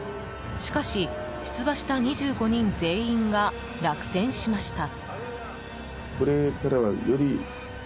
しかし、出馬した２５人全員が落選しました。